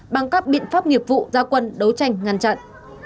bằng các biện pháp nghiệp vụ gia quân đấu tranh ngăn chặn